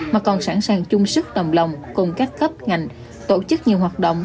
mà còn sẵn sàng chung sức đồng lòng cùng các cấp ngành tổ chức nhiều hoạt động